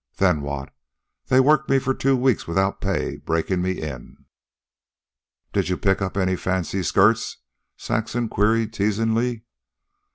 Then what? They worked me for two weeks without pay, breakin' me in." "Did you pick up any fancy skirts?" Saxon queried teasingly.